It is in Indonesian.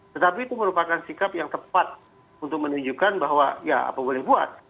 tetapi itu merupakan sikap yang tepat untuk menunjukkan bahwa ya apa boleh buat